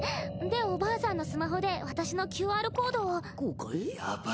でおばあさんのスマホで私の「ＱＲコード」を。